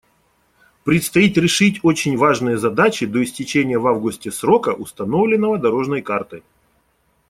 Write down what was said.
Предстоит решить очень важные задачи до истечения в августе срока, установленного «дорожной картой».